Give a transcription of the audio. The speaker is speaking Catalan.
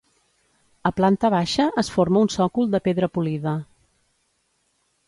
A planta baixa es forma un sòcol de pedra polida.